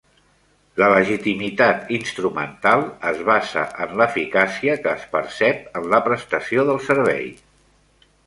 La legitimitat instrumental es basa en l'eficàcia que es percep en la prestació del servei.